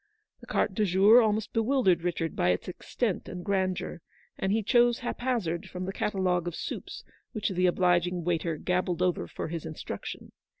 The carte du jour almost bewildered Richard by its extent and grandeur, and he chose hap hazard from the catalogue of soups which the THE BLACK BUILDING BY THE RIVER, 127 obliging waiter gabbled over for his instruction.